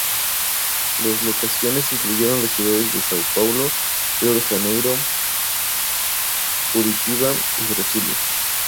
Los locaciones incluyeron las ciudades de São Paulo, Río de Janeiro, Curitiba y Brasilia.